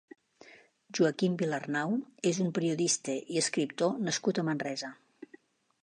Joaquim Vilarnau és un periodista i escriptor nascut a Manresa.